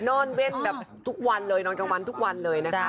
นอนเวทแบบทุกวันเลยนอนกลางวันทุกวันเลยนะคะ